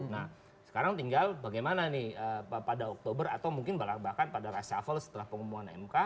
nah sekarang tinggal bagaimana nih pada oktober atau mungkin bahkan pada reshuffle setelah pengumuman mk